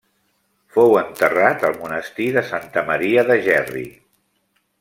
Fou enterrat al monestir de Santa Maria de Gerri.